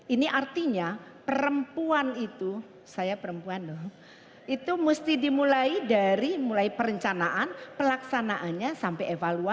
ini artinya perempuan itu saya perempuan loh itu mesti dimulai dari mulai perencanaan pelaksanaannya sampai evaluasi